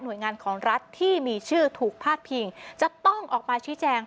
โดยงานของรัฐที่มีชื่อถูกพาดพิงจะต้องออกมาชี้แจง